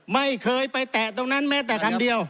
ไม่เคยไปแตะตรงนั้นแม้แต่คำเดียว